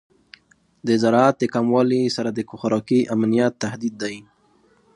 د زراعت د کموالی سره د خوراکي امنیت تهدید دی.